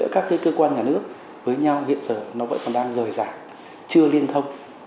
các cơ quan nhà nước với nhau hiện giờ nó vẫn còn đang rời rạc chưa liên thông